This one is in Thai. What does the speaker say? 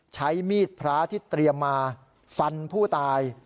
ใช้มีดพระที่เตรียมมาฟันผู้ตาย